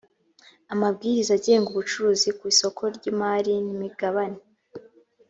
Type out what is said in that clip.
amabwiriza agenga ubucuruzi ku isoko ry imari n imigabane